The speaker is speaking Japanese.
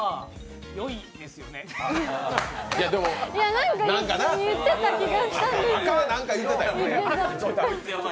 何か言ってた気がしたんです。